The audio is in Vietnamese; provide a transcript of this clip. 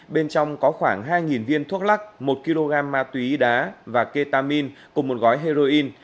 bên trong có khoảng hai viên thuốc lắc một kg ma túy đá và ketamin cùng một gói heroin